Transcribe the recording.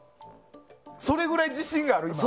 それぐらい自信があるの？